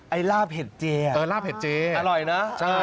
ไอ้ลาบเห็ดเจอร่อยนะ